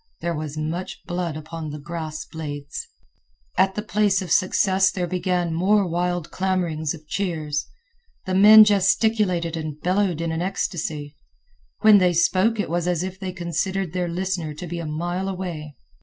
There was much blood upon the grass blades. At the place of success there began more wild clamorings of cheers. The men gesticulated and bellowed in an ecstasy. When they spoke it was as if they considered their listener to be a mile away.